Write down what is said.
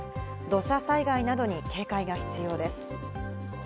土砂災害などに警戒が必要です。